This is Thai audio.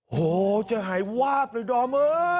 โหจะหายวาบเลยดอม